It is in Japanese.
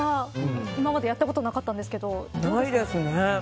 今までやったことなかったんですけど。